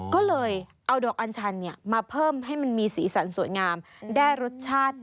ก็เลยเอาดอกอัญชันมาเพิ่มให้มันมีสีสันสวยงามได้รสชาติ